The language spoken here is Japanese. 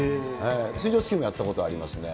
水上スキーもやったことありますね。